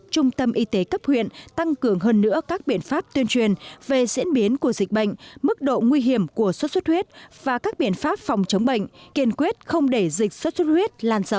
trung tâm y tế dự phòng tỉnh thái nguyên đã chủ động tuyên truyền khoanh vùng và phun thuốc dịch tại các gia đình và khu dân cư ngay sau khi phát hiện ca mắc sốt xuất huyết